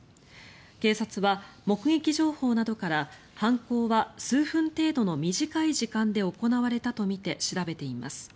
警察は目的情報などから犯行は数分程度の短い時間で行われたとみて調べています。